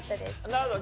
なるほど。